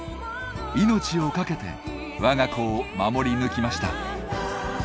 命をかけてわが子を守り抜きました。